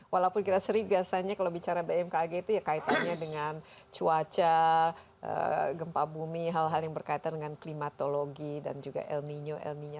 walaupun kita sering biasanya kalau bicara bmkg itu ya kaitannya dengan cuaca gempa bumi hal hal yang berkaitan dengan klimatologi dan juga el nino el nino